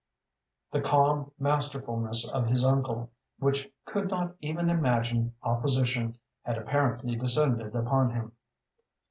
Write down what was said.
The calm masterfulness of his uncle, which could not even imagine opposition, had apparently descended upon him.